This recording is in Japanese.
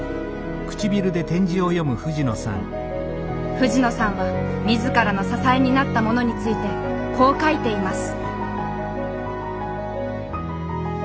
藤野さんは自らの支えになったものについてこう書いています。